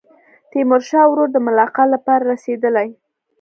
تیمورشاه ورور د ملاقات لپاره رسېدلی.